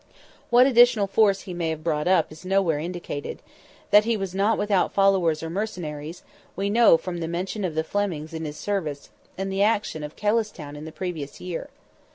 What additional force he may have brought up is nowhere indicated; that he was not without followers or mercenaries, we know from the mention of the Flemings in his service, and the action of Kellistown in the previous year.